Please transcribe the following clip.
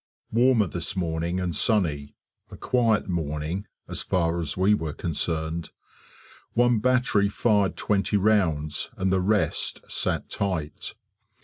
Warmer this morning and sunny, a quiet morning, as far as we were concerned. One battery fired twenty rounds and the rest "sat tight".